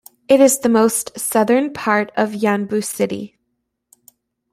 It is the most southern part of Yanbu city.